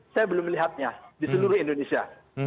saya belum melihatnya di seluruh indonesia